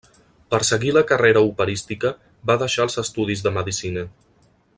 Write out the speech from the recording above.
Per seguir la carrera operística, va deixar els estudis de Medicina.